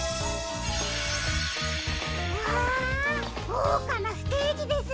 うわごうかなステージですね。